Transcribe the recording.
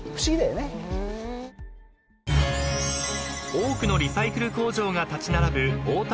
［多くのリサイクル工場が立ち並ぶ］